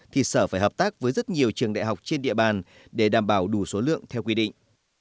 thì sở phải hợp tác với rất nhiều trường đại học trên địa bàn để đảm bảo đủ số lượng theo quy định